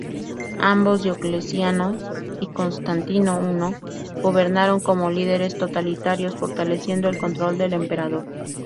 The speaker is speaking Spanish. Ambos, Diocleciano y Constantino I, gobernaron como líderes totalitarios, fortaleciendo el control del emperador.